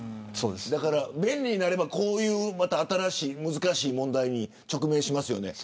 便利になれば、こういう新しい難しい問題に直面しますよね。